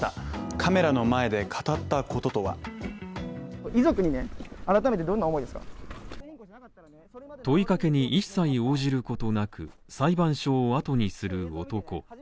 カメラの前で語ったことは問いかけに一切応じることなく裁判所をあとにする男